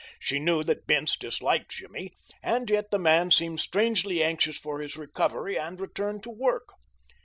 She knew that Bince disliked Jimmy, and yet the man seemed strangely anxious for his recovery and return to work.